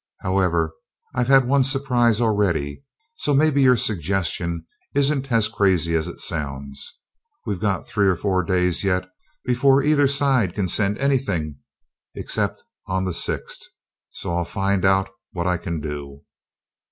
However, I've had one surprise already, so maybe your suggestion isn't as crazy as it sounds. We've got three or four days yet before either side can send anything except on the sixth, so I'll find out what I can do."